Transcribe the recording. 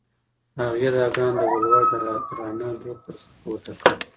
هغې دا ګام د ولور د درانه دود پر ضد پورته کړ.